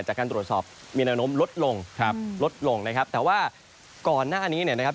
จากการตรวจสอบมีแนวโน้มลดลงครับลดลงนะครับแต่ว่าก่อนหน้านี้เนี่ยนะครับ